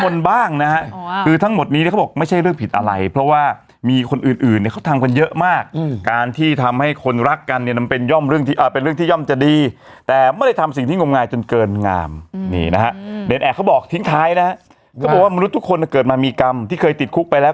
ลงกระถามหาเมตตาสาวนิกาลิ้นทองกะว้าว